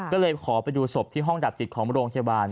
ก็เลยขอไปดูศพที่ห้องดับสิทธิ์ของโรงทบาท